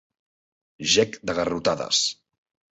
Gec de garrotades.